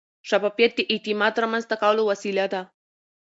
شفافیت د اعتماد رامنځته کولو وسیله ده.